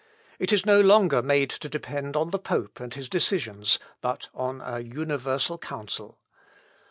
It is no longer made to depend on the pope and his decisions, but on an universal council.